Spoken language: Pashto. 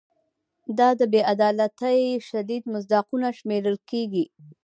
دا د بې عدالتۍ شدید مصداقونه شمېرل کیږي.